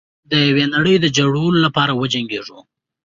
د یوې نړۍ د جوړولو لپاره وجنګیږو.